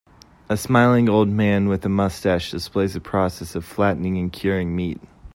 A smiling old man with a mustache displays the process of flattening and curing meat